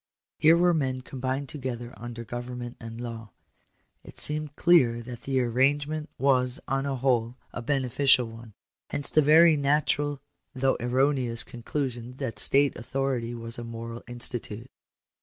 Here were men combined together under government and law. It seemed clear that the arrange ment was on the whole a beneficial one. Hence the very natural, though erroneous, conclusion that state authority was a moral institute.